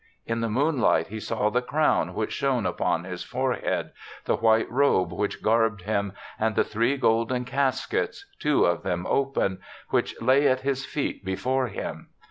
In the moon light he saw the crown which shone upon his forehead, the white robe which garbed him, and the three golden caskets, two of them open, which lay at his feet before him.